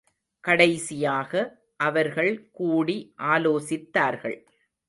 கடைசியாக, அவர்கள் கூடி ஆலோசித்தார்கள்.